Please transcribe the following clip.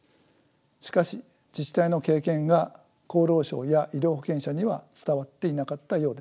しかし自治体の経験が厚労省や医療保険者には伝わっていなかったようです。